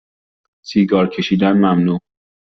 سیگار کشیدن ممنوع